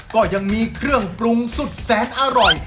ก็ยังมีเครื่องปรุงสุดแสนอร่อย